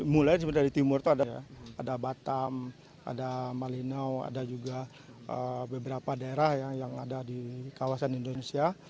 mulai dari timur itu ada ya ada batam ada malino ada juga beberapa daerah yang ada di kawasan indonesia